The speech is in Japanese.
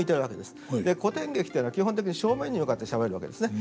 古典劇というのは基本的に正面に向かってしゃべるわけですね。